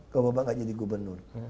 kalau bapak nggak jadi gubernur